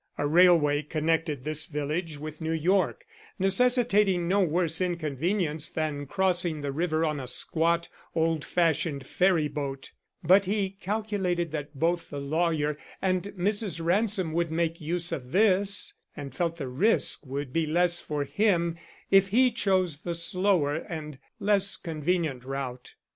A railway connected this village with New York, necessitating no worse inconvenience than crossing the river on a squat, old fashioned ferry boat; but he calculated that both the lawyer and Mrs. Ransom would make use of this, and felt the risk would be less for him if he chose the slower and less convenient route.